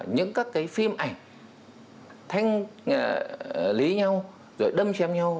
những các cái phim ảnh thanh lý nhau rồi đâm chém nhau